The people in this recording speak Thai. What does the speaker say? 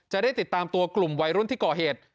จะได้ติดตามตัวกลุ่มวัยรุ่นที่ก่อเหตุ